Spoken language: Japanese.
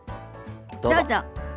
どうぞ。